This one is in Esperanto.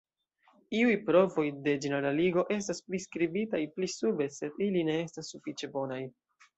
Iuj provoj de ĝeneraligo estas priskribitaj pli sube, sed ili ne estas sufiĉe bonaj.